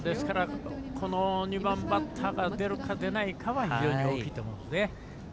この２番バッターが出るか出ないかは非常に大きいと思いますね。